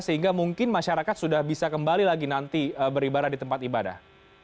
sehingga mungkin masyarakat sudah bisa kembali lagi nanti beribadah di tempat ibadah